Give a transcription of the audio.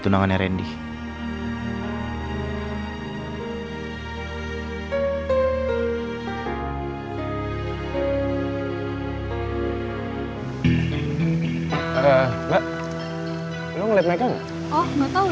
aku sengaja naro tangan aku supaya